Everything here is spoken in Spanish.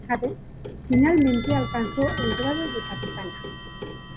Finalmente alcanzó el grado de capitana.